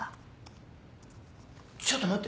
ちょっと待って。